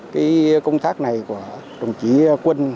cái công tác này của đồng chí quân